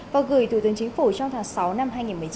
và gửi thủ tướng chính phủ trong tháng sáu năm hai nghìn một mươi chín